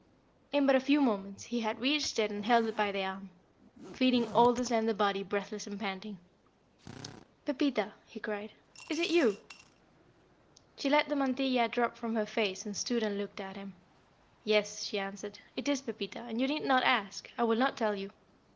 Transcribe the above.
In but a few moments he had reached it and held it by the arm, feeling all the slender body breathless and panting. [Illustration: The slender body breathless and panting 147] "Pepita!" he cried. "It is you?" She let the mantilla drop from her face and stood and looked at him. "Yes," she answered, "it is Pepita; and you need not ask I will not tell you.